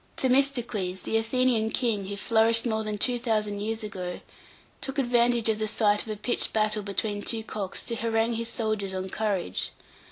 Themistocles, the Athenian king, who flourished more than two thousand years ago, took advantage of the sight of a pitched battle between two cocks to harangue his soldiers on courage.